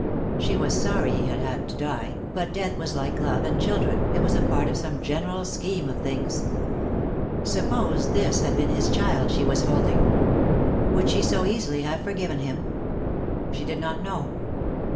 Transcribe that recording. She was sorry he had had to die, but death was like love and children, it was a part of some general scheme of things. Suppose this had been his child she was holding? Would she so easily have forgiven him? She did not know.